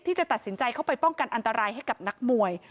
ที่จะตัดสินใจเข้าไปป้องกันอันตรายให้กับนักมวย